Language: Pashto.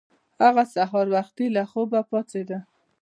هغه سهار وختي له خوبه پاڅیده.